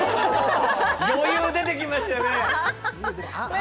余裕出てきましたよねぇ。